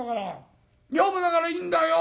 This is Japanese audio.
女房だからいいんだよ。